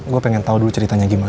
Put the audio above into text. gue pengen tahu dulu ceritanya gimana